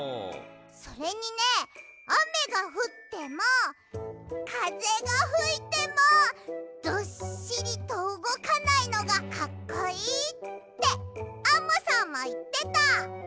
それにねあめがふってもかぜがふいてもどっしりとうごかないのがかっこいいってアンモさんもいってた。